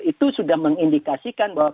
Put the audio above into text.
itu sudah mengindikasikan bahwa